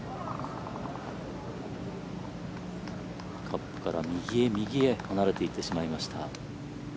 カップから右へ右へ離れて行ってしまいました。